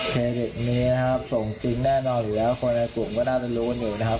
เครดิตนี้นะครับส่งจริงแน่นอนอยู่แล้วคนในกลุ่มก็น่าจะรู้กันอยู่นะครับ